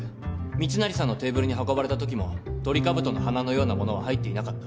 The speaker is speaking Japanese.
密成さんのテーブルに運ばれたときもトリカブトの花のようなものは入っていなかった。